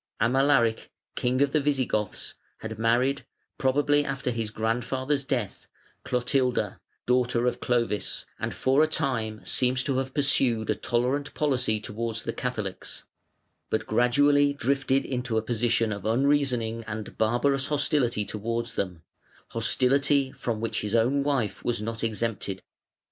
Amalaric, king of the Visigoths, had married, probably after his grandfather's death, Clotilda, daughter of Clovis, and for a time seems to have pursued a tolerant policy towards the Catholics, but gradually drifted into a position of unreasoning and barbarous hostility towards them, hostility from which his own wife was not exempted.